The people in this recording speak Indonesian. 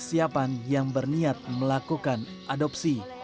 fx siapan yang berniat melakukan adopsi